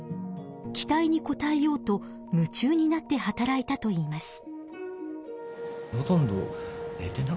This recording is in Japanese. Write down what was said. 期待にこたえようと夢中になって働いたといいます。